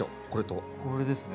これですね。